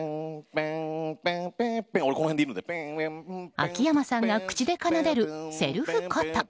秋山さんが口で奏でるセルフ琴。